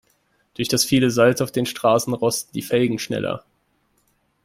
Durch das viele Salz auf den Straßen rosten die Felgen schneller.